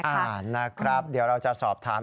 อ่านะครับเดี๋ยวเราจะสอบถาม